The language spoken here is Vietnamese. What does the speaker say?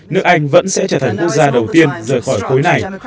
nước anh vẫn sẽ trở thành quốc gia đầu tiên rời khỏi khối này